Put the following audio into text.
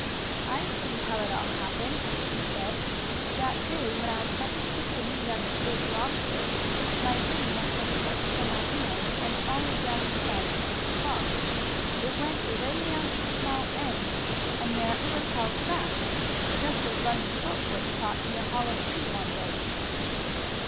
"I see how it all happened," she said. "That day when I was helping pick the meat out of the big lobster, my ring must have slipped from my hand, and fallen down inside the empty claw. It went away down to the small end, and there it was held fast, just as Bunny's foot was caught in the hollow tree one day."